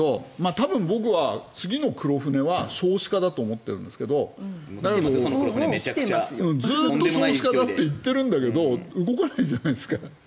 多分、僕は次の黒船は少子化だと思うんですけどずっと少子化だと言ってるんだけど動かないじゃないですか。